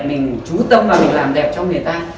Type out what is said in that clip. mình trú tâm vào mình làm đẹp cho người ta